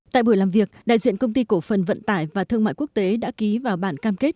tại buổi làm việc đại diện công ty cổ phần vận tải và thương mại quốc tế đã ký vào bản cam kết